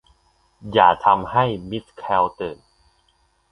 อย่าทำให้มิสแคลร์ตื่น